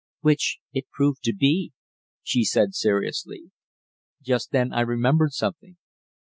"Which it proved to be," she said seriously. Just then I remembered something.